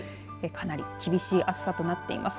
かなり厳しい暑さとなっています。